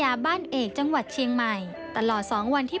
โอ้โหนี่คุณเตียงมาเลยใช่ไหม